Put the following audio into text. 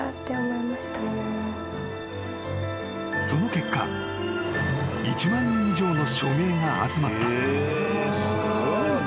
［その結果１万人以上の署名が集まった］